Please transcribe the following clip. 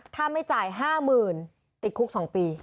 ถ้าไม่จ่ายห้าหมื่นติดคุกสองปี